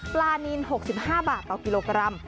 ปลานิน๖๕บาทต่อกิโลกรัม